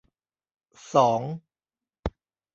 สอง